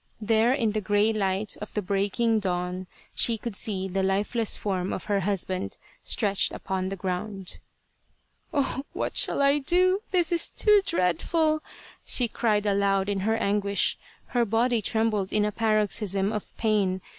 There in the grey light of the breaking dawn she could see the lifeless form of her husband stretched upon the ground. " Oh ! what shall I do ? This is too dreadful !" she cried aloud in her anguish. Her body trembled in a paroxysm of pain.